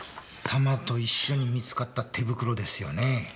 弾と一緒に見つかった手袋ですよねえ。